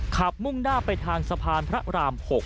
มุ่งหน้าไปทางสะพานพระราม๖